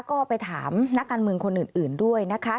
ก็ไปถามนักการเมืองคนอื่นด้วยนะคะ